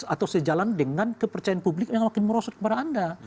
atau sejalan dengan kepercayaan publik yang makin merosot kepada anda